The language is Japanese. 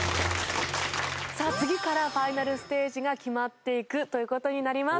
さあ次からファイナルステージが決まっていくという事になります。